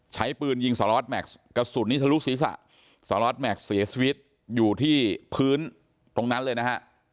ใช้ปืนยิงสารวัสแม็กซ์กระสุนนี้ทะลุศีรษะสารล็อตแม็กซ์เสียชีวิตอยู่ที่พื้นตรงนั้นเลยนะฮะ